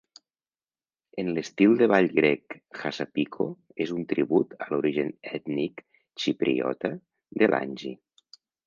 En l"estil de ball grec "hassapiko" és un tribut a l"origen ètnic xipriota de l"Angie.